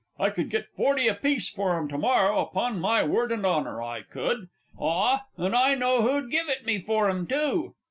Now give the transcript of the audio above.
I could get forty a piece for 'em to morrow, upon my word and honour, I could. Ah, and I know who'd give it me for 'em, too!